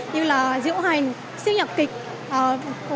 như là diễu hành siêu nhạc kịch